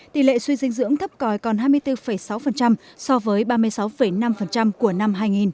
tỷ lệ suy dinh dưỡng thấp còi còn hai mươi bốn sáu so với ba mươi sáu năm của năm hai nghìn